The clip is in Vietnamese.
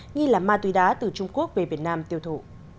nghi là ma túy đá từ trung quốc về việt nam tiêu thụ